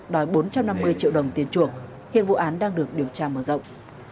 đòi bốn trăm năm mươi triệu đồng tiền chuộc hiện vụ án đang được điều tra mở rộng